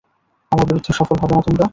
আমার বিরুদ্ধে সফল হবে না তোমরা।